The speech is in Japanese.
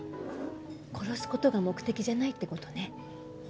殺す事が目的じゃないって事ね。